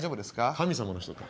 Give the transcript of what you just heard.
神様の人か。